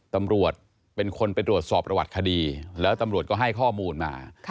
ตำรวจเป็นคนไปตรวจสอบประวัติคดีแล้วตำรวจก็ให้ข้อมูลมา